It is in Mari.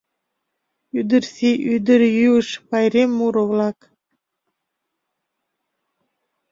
ӰДЫРСИЙ, ӰДЫРЙӰЫШ ПАЙРЕМ МУРО-ВЛАК.